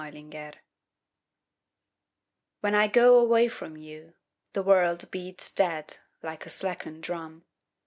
The Taxi When I go away from you The world beats dead Like a slackened drum.